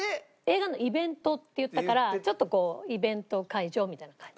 「映画のイベント」って言ったからちょっとこうイベント会場みたいな感じ。